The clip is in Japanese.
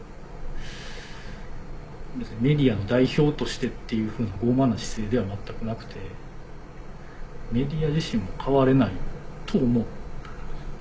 別にメディアの代表としてっていうふうな傲慢な姿勢では全くなくてメディア自身も変われないと思ったんですよ。